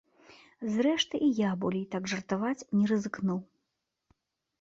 Зрэшты, і я болей так жартаваць не рызыкнуў.